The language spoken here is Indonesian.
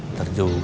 ntar juga ceng